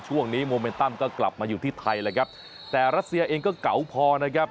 โมเมนตัมก็กลับมาอยู่ที่ไทยเลยครับแต่รัสเซียเองก็เก่าพอนะครับ